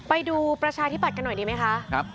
ไปดูประชาธิบัติกันหน่อยดีไหมครับ